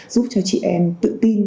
giúp cho chị em tự tin